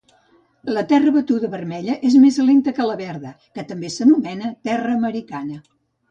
La terra batuda vermella és més lenta que la verda, que també s'anomena terra americana.